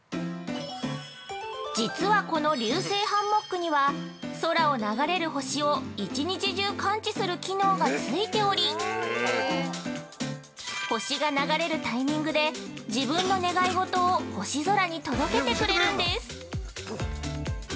◆実は、この流星ハンモックには空を流れる星を一日中感知する機能がついており星が流れるタイミングで自分の願い事を星空に届けてくれるんです。